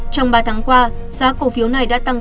trong ba tháng qua giá cổ phiếu này đã tăng tám mươi bốn